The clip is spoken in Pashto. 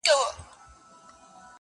په دامونو کي یې کښېوتل سېلونه -